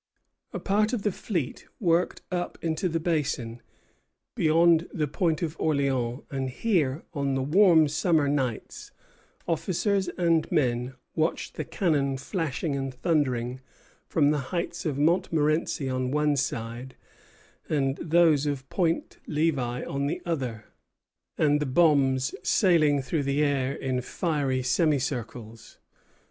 A part of the fleet worked up into the Basin, beyond the Point of Orleans; and here, on the warm summer nights, officers and men watched the cannon flashing and thundering from the heights of Montmorenci on one side, and those of Pont Levi on the other, and the bombs sailing through the air in fiery semicircles.